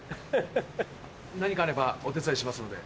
何かあればお手伝いしますので。